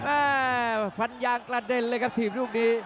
อ่าฟันยางกระเด็นเลยครับถีบลูกนี้